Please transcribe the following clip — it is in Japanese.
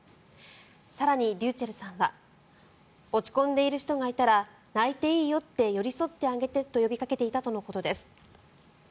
更に、ｒｙｕｃｈｅｌｌさんは落ち込んでいる人がいたら泣いていいよって寄り添ってあげてと呼びかけていたとのことです。